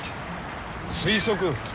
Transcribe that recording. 推測？